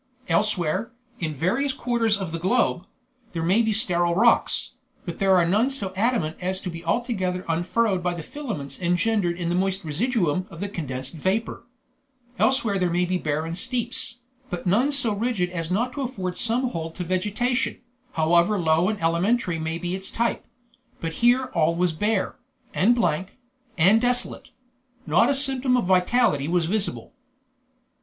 Elsewhere, in various quarters of the globe, there may be sterile rocks, but there are none so adamant as to be altogether unfurrowed by the filaments engendered in the moist residuum of the condensed vapor; elsewhere there may be barren steeps, but none so rigid as not to afford some hold to vegetation, however low and elementary may be its type; but here all was bare, and blank, and desolate not a symptom of vitality was visible.